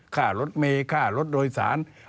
ค่ารถเมย์ค่ารถโดยสาร